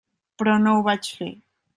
Però no ho vaig fer.